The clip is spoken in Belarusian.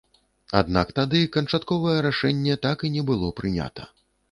Аднак тады канчатковае рашэнне так і не было прынята.